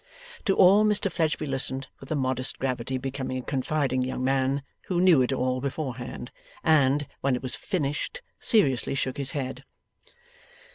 To all, Mr Fledgeby listened with the modest gravity becoming a confiding young man who knew it all beforehand, and, when it was finished, seriously shook his head.